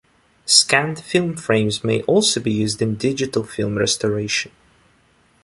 Scanned film frames may also be used in digital film restoration.